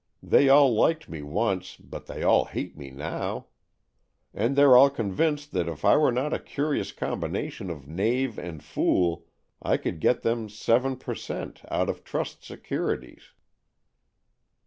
They all liked me once, but they all hate me now. And they're all convinced that if I were not a curious combination of knave and fool, I could get them seven per cent, out of trust securities."